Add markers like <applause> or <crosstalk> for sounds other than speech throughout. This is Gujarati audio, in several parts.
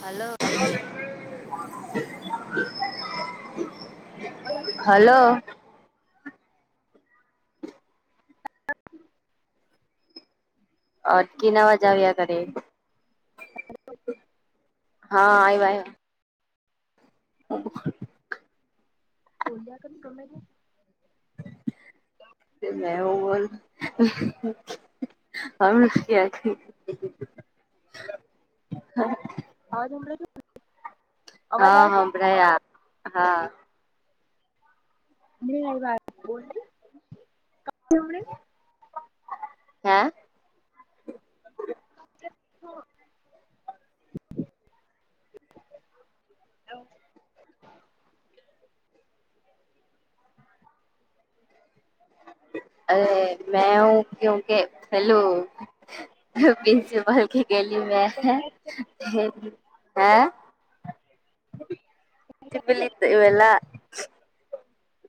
હલો અવાજ હલો અટકીને આવાજ આવયા કરે હા આયવો આયવો <inaudible> બોલ્યા કર તમે મે હુ બોલું <unintelligible> અવાજ હણાય છે ને હા હા હભળાય આ ની એવુ લાગે બોલ જે હે <unintelligible> <inaudible> અરે મે હુ કે હુ કે પેલું પ્રિન્સિપલ કે ગલી મ હે તબલ તો વેલા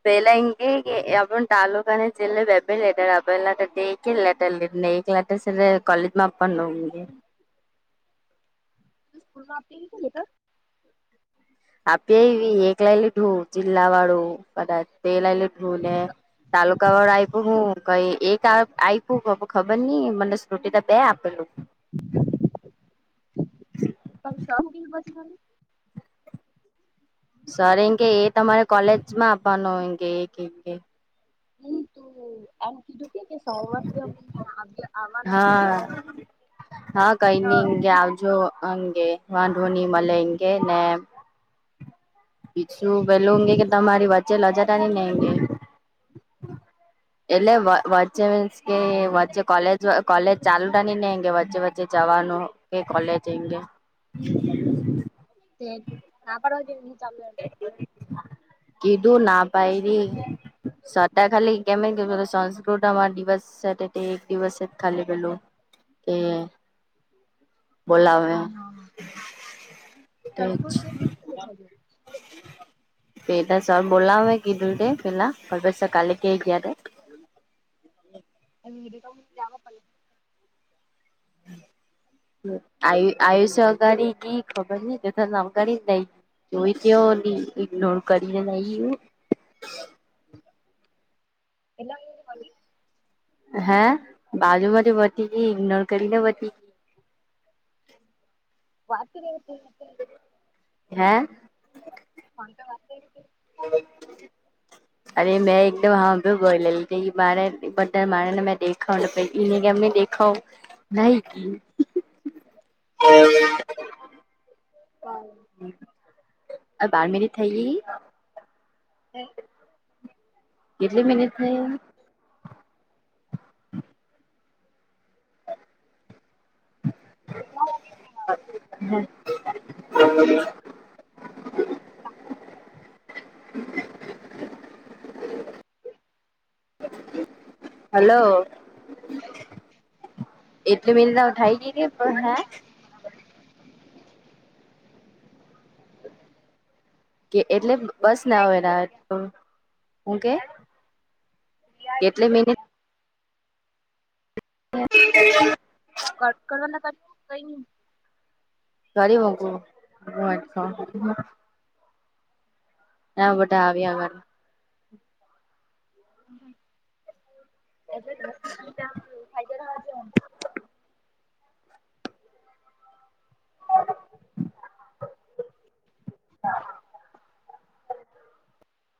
બેલા હિંગે એબન તાલુકા અને જિલ્લા બેબલાર <unintelligible> લટેર લય ગેલા સે લટર કલેજમાંપા નંગે <unintelligible> ત સ્કૂલમાં આપેલું છે લેટર આપી આયવી એકલા હે લીધું જિલ્લા વાળું કદાચ ને લેટર <unintelligible> તાલુકા વાળું આપ્યું હું કઈ એક આપ્યું ખબર નઈ મને શ્રુટી ત બે આપેલું પછી સર હુ કે ખરી સર એ કે એ તમારે કોલેજ માં આપવાનું હોય કે એ કે કે. એ તો એમ કીધું કે કે સવાથી અમે આવિયા આવાના હા શિકણે. હા કઈ નઈ કે આવજો અંગે વાઢોની મળે ઇનકે ને. પિચુ પેલુ ગે કે તમારે વચ્ચે લજાટની નંગે. એટલે વચ્ચે મીન્સ કે વચ્ચે કોલેજ. જો કોલેજ ચાલુ થવાની ની કે વચ્ચે વચ્ચે જવાનું કે કોલેજ એંગે. હમ્મ તે ના પણ ચાલ. કધું ના પાયડી સર તો ખાલી કેમ હમ પેલું સંસ્ ડામાં દિવસ સાતે તે એક દિવસે જ ખાલી પેલું કે. બોલાવે હા હા તેજ. ઓછ. એતો સર બોલાવહે કીધું તે પેલા કલ્પેશ સર કાલે કેય ગીયા તે. <unintelligible> આયુ આયુષ્ય અગાડી કી ખબર નઈ તથા અગાડી જ નહી. જોઈ કેયો ઇગ્નોર કરિ ને એવું. એટલે એ બતી હે બાજુ માંથી બતી ગઈ ઇગ્નોર કરીને બતી. વાકી મવી કીંતે. હે? ફોન પર વાત ક્યરી કે? <unintelligible> અરે મેં એકદમ હાભૂ બોલેલી તે માર બધા માને મેં. ખાવાનું પંચ ની મેં દેખાવ નાહિ ગીયૂ. હમમ. હા આ બાર મિનિટ થયલી. હમમ. કેટલી મિનિટ નું કેટલા?. વાગે હમમ. <inaudible> હલો. એટલી મિનિટ જરાક વાર ઉઠાઈ ગઈ મૂકી કે દે પણ અવાજ હે ની આવે. <inaudible> કે એટલે બસ ના અવે ના હું કે. વીય કેટલી થયલી મિનિટ <inaudible> કટ કરવના કઈ ની ને કરી મૂકું હા બધા આવયે અમાર. એ જ ખાઈદજ. <inaudible>